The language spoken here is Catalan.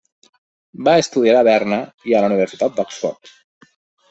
Va estudiar a Berna i a la Universitat d'Oxford.